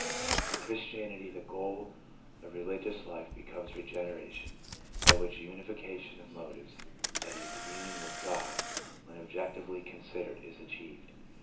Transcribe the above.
In Christianity "the goal of religious life becomes regeneration, by which unification of motives — i.e., union with God, when objectively considered — is achieved."